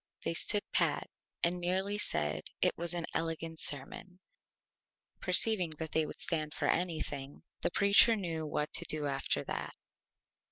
They stood Pat, and merely said it was an Elegant Sermon. Perceiving that they would stand for Anything, the Preacher knew what to do after that.